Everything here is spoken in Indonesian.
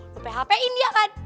lo php in dia kan